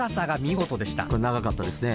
これ長かったですね。